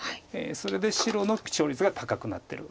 それで白の勝率が高くなってる。